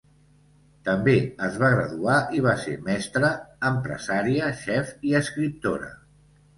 També es va graduar i va ser mestra, empresària, xef i escriptora.